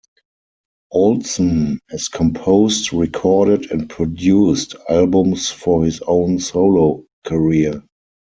Olsson has composed, recorded, and produced albums for his own solo career.